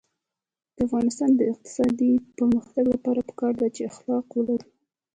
د افغانستان د اقتصادي پرمختګ لپاره پکار ده چې اخلاق ولرو.